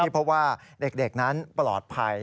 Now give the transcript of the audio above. เพราะว่าเด็กนั้นปลอดภัย